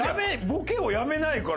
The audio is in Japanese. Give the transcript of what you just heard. ボケをやめないから全然。